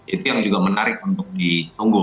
itu yang juga menarik untuk ditunggu